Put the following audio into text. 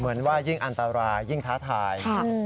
เหมือนว่ายิ่งอันตรายยิ่งท้าทาย